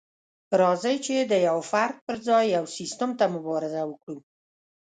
راځئ چې د يوه فرد پر ځای يو سيستم ته مبارزه وکړو.